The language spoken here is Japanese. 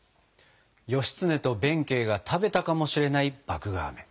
義経と弁慶が食べたかもしれない麦芽あめ。